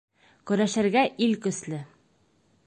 Көрәшергә ил көслө.